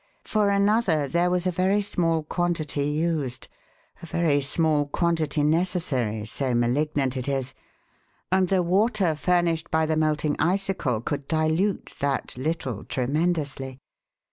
For another, there was a very small quantity used a very small quantity necessary, so malignant it is and the water furnished by the melting icicle could dilute that little tremendously.